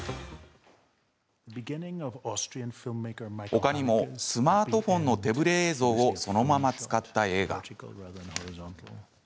ほかにもスマートフォンの手ぶれ映像をそのまま使った映画。